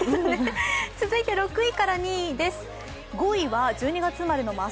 続いて６位から２位です。